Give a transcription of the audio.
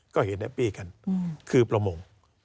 ก็เห็นแฮปปี้กันคือประมง